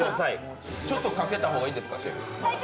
ちょっとかけた方がいいですか？